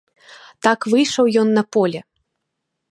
Так выйшаў ён па поле.